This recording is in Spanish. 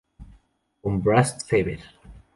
Con Brass Fever